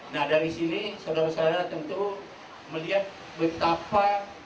nah dari sini saudara saudara tentu melihat betapa